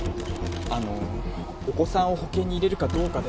あのお子さんを保険に入れるかどうかで。